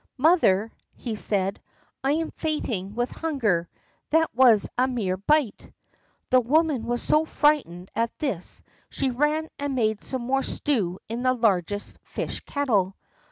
"Mother," he said, "I am fainting with hunger. That was a mere bite." The woman was so frightened at this that she ran and made some more stew in the largest fish kettle.